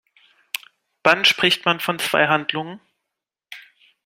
Wann spricht man von zwei Handlungen?